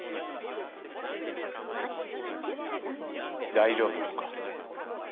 大丈夫なのか？